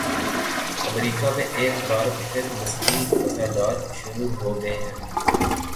امریکہ میں ایک بار پھر نسلی فسادات شروع ہوگئے ہیں۔